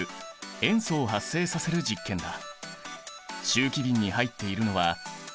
塩素を発生させる実験だ。